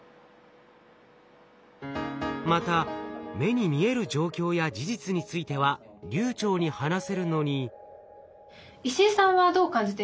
また目に見える状況や事実については流暢に話せるのに。